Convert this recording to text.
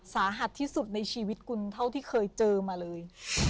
สาหัสที่สุดในชีวิตคุณเท่าที่เคยเจอมาเลย